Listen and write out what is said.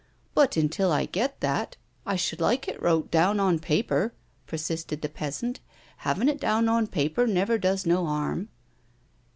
"But until I get that I should like it wrote down on paper," persisted the peasant. " Havin' it down on paper never does no harm."